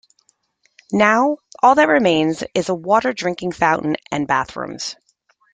Now, all that remains is a water drinking fountain and bathrooms.